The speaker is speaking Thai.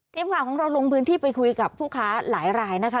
ทีมข่าวของเราลงพื้นที่ไปคุยกับผู้ค้าหลายรายนะคะ